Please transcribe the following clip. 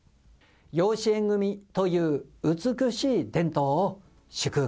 養子縁組という美しい伝統を祝福